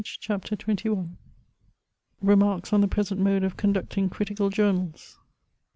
CHAPTER XXI Remarks on the present mode of conducting critical journals.